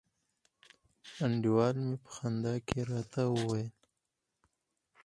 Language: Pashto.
انډیوال می په خندا کي راته وویل